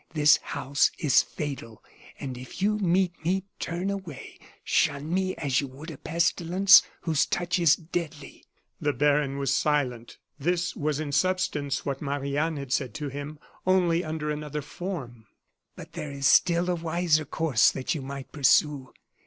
This house is fatal. And if you meet me, turn away; shun me as you would a pestilence whose touch is deadly!" The baron was silent. This was in substance what Marie Anne had said to him, only under another form. "But there is still a wiser course that you might pursue.